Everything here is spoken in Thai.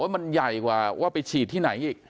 มันใหญ่กว่าว่าไปฉีดที่ไหนอีก